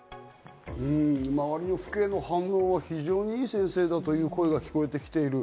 周りの父兄の反応は非常に良い先生だという声が聞こえてきている。